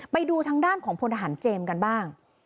ไปดูทางด้านของพลทหารเจมส์กันบ้าง